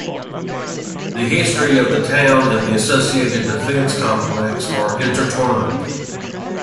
The history of the town and the associated defense complex are intertwined.